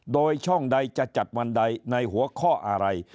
โดยช่องใดจะจัดวันใดในหัวข้ออะไร